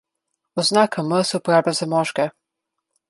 Oznaka M se uporablja za moške.